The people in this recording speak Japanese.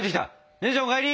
姉ちゃんお帰り！